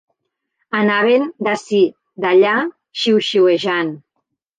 Anaven d'ací d'allà xiuxiuejant